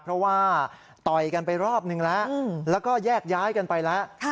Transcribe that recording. เพราะว่าต่อยกันไปรอบนึงแล้วแล้วก็แยกย้ายกันไปแล้ว